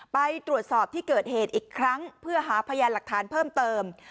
ไปตรวจสอบที่เกิดเหตุอีกครั้งเพื่อหาพยานหลักฐานเพิ่มเติม